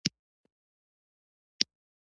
پېسې د ژوند اسانتیاوې برابرولی شي، خو خوشالي نه.